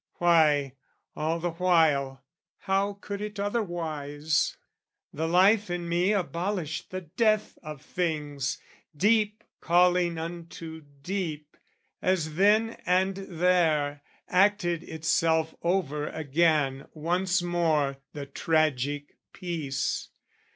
Why, all the while, how could it otherwise? The life in me abolished the death of things, Deep calling unto deep: as then and there Acted itself over again once more The tragic piece.